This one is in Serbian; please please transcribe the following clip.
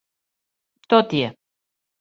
То ти је!